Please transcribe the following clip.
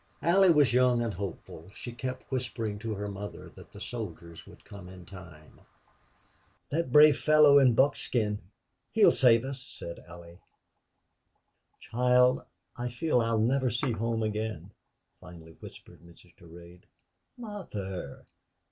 Allie was young and hopeful. She kept whispering to her mother that the soldiers would come in time. "That brave fellow in buckskin he'll save us," said Allie. "Child, I feel I'll never see home again," finally whispered Mrs. Durade. "Mother!"